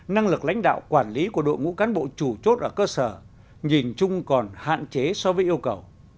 năng lực lãnh đạo quản lý của đội ngũ cán bộ chủ chốt ở cơ sở nhìn chung còn hạn chế so với yêu cầu